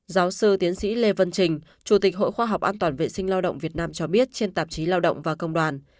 giáo sư tiến sĩ lê văn trình chủ tịch hội khoa học an toàn vệ sinh lao động việt nam cho biết trên tạp chí lao động và công đoàn